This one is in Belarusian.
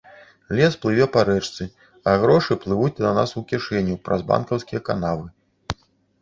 Лес плыве па рэчцы, а грошы плывуць да нас у кішэню праз банкаўскія канавы.